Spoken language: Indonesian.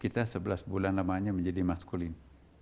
kita sebelas bulan lamanya menjadi maskulin